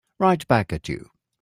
Right back at you.